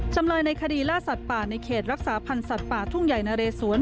จำเลยในคดีล่าสัตว์ป่าในเขตรักษาพันธ์สัตว์ป่าทุ่งใหญ่นะเรสวน